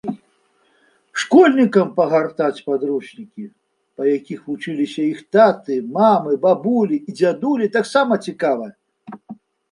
Школьнікам пагартаць падручнікі, па якіх вучыліся іх таты, мамы, бабулі і дзядулі, таксама цікава.